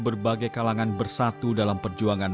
berbagai kalangan bersatu dalam perjuangan